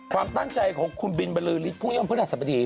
ความตั้งใจของคุณบิลบรรลือฤทธิ์ผู้ยอมพฤษฐศัพที